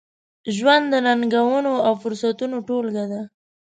ژوند د ننګونو، او فرصتونو ټولګه ده.